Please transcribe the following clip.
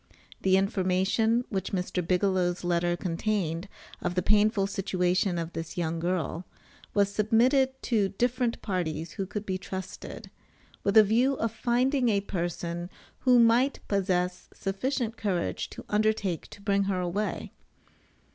The information which Mr. Bigelow's letter contained of the painful situation of this young girl was submitted to different parties who could be trusted, with a view of finding a person who might possess sufficient courage to undertake to bring her away.